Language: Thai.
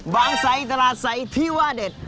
บางไซค์ตลาดไซค์ที่ว่าเด็ด